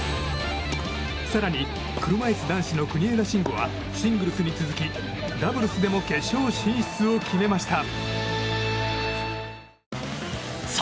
更に、車いす男子の国枝慎吾はシングルスに続きダブルスでも決勝進出を決めました。